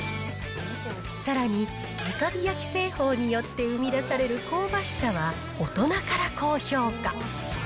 さらに、直火焼き製法によって生み出される香ばしさは大人から高評価。